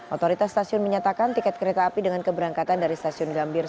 otoritas stasiun menyatakan tiket kereta api dengan keberangkatan dari stasiun gambir